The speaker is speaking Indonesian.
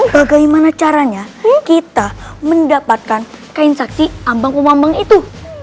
bagaimana caranya kita mendapatkan kain saksi ambang umbang itu